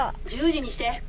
１０時にして。